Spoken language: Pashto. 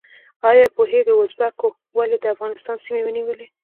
ایا پوهیږئ ازبکو ولې د افغانستان سیمې ونیولې؟